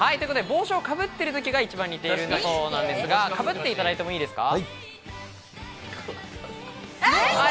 帽子をかぶっているときが一番似ているそうなんですが、かぶっていただいてもいいですか？